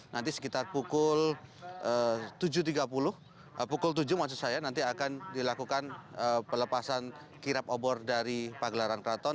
nanti sekitar pukul tujuh tiga puluh pukul tujuh maksud saya nanti akan dilakukan pelepasan kirap obor dari pagelaran keraton